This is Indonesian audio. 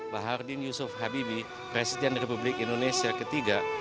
baharudin yusuf habibie presiden republik indonesia ketiga